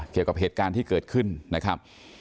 เกี่ยวกับเหตุการณ์ที่เกิดขึ้นนะครับ